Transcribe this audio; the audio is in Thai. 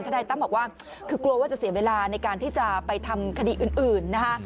นายตั้มบอกว่าคือกลัวว่าจะเสียเวลาในการที่จะไปทำคดีอื่นนะคะ